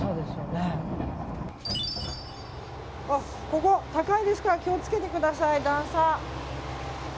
ここ、高いですから気を付けてください。